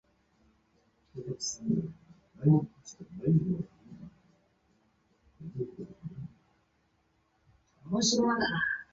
下伊科列茨农村居民点是俄罗斯联邦沃罗涅日州利斯基区所属的一个农村居民点。